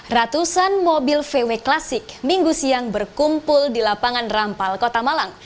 ratusan mobil vw klasik minggu siang berkumpul di lapangan rampal kota malang